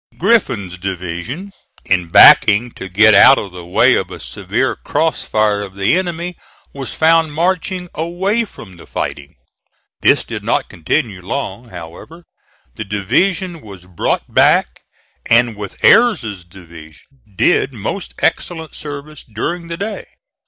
Griffin's division in backing to get out of the way of a severe cross fire of the enemy was found marching away from the fighting. This did not continue long, however; the division was brought back and with Ayres's division did most excellent service during the day.